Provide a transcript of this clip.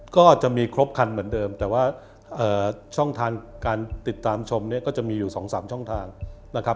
ก็จะมีครบคันเหมือนเดิมแต่ว่าช่องทางการติดตามชมเนี่ยก็จะมีอยู่๒๓ช่องทางนะครับ